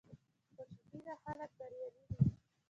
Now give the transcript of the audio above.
خوشبینه خلک بریالي وي.